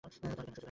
তাহলে কেন এসেছো?